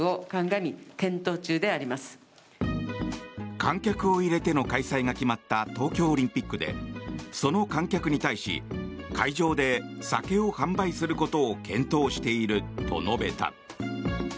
観客を入れての開催が決まった東京オリンピックでその観客に対し会場で酒を販売することを検討していると述べた。